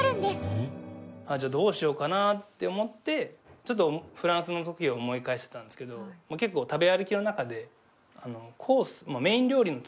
じゃあどうしようかなって思ってちょっとフランスの時を思い返してたんですけど結構食べ歩きの中でコース。